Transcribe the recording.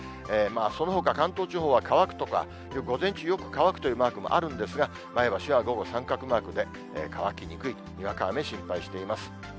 そのほか関東地方は乾くとか、午前中よく乾くというマークもあるんですが、前橋は午後、三角マークで乾きにくい、にわか雨、心配しています。